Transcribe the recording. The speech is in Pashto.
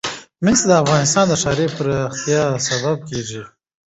مس د افغانستان د ښاري پراختیا سبب کېږي.